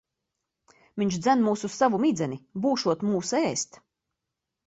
Viņš dzen mūs uz savu midzeni. Būšot mūs ēst.